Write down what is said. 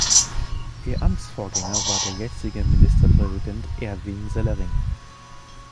Ihr Amtsvorgänger war der jetzige Ministerpräsident Erwin Sellering.